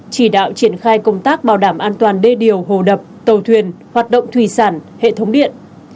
chỉ đạo triển khai công tác bảo đảm an toàn đê điều hồ đập tàu thuyền hoạt động thủy sản hệ thống điện